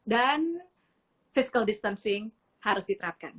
dan physical distancing harus diterapkan